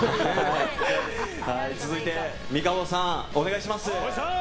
続いて、ミカボさんお願いします。